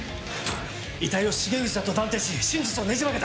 遺体を重藤だと断定し真実をねじ曲げた。